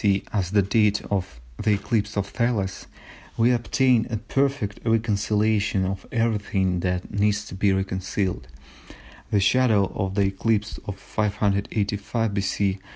C. as the date of the eclipse of Thales, we obtain a perfect reconciliation of everything that needs to be reconciled; the shadow of the eclipse of 585 B.